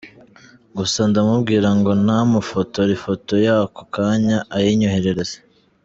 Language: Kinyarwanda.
Gusa ndamubwira ngo namufotore ifoto y’ako kanya ayinyoherereze